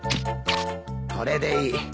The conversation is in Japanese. これでいい。